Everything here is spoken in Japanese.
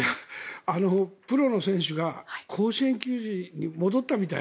プロの選手が甲子園球児に戻ったみたい。